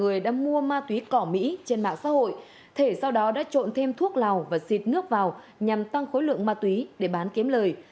tuyết cỏ mỹ trên mạng xã hội thể sau đó đã trộn thêm thuốc lào và xịt nước vào nhằm tăng khối lượng ma túy để bán kiếm lời